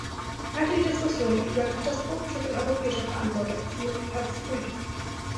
Ich halte die Diskussion über Katastrophenschutz in europäischer Verantwortung für verfrüht.